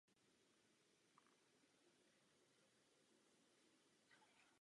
Aktuální číslo a archiv dosud publikovaných čísel je dostupný zde.